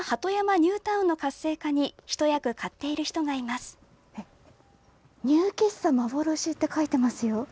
「ニュー喫茶幻」って書いていますよ。